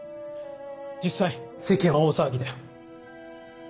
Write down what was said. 実際世間は大騒ぎだよ。